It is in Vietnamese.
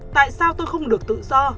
tại sao tôi không được tự do